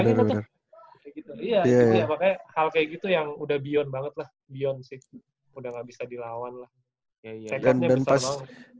makanya hal kayak gitu yang udah beyond banget lah beyond sih udah gak bisa dilawan lah